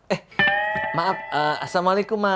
eh maaf assalamualaikum ma